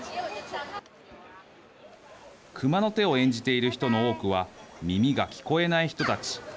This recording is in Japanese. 熊の手を演じている人の多くは耳が聞こえない人たち。